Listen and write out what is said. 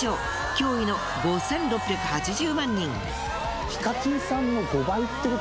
驚異の５６８０万人。